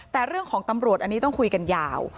แต่เรื่องของตำรวจอันนี้ต้องคุยกันยาว